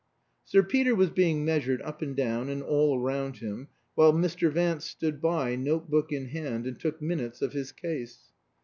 Sir Peter was being measured up and down and all round him, while Mr. Vance stood by, note book in hand, and took minutes of his case.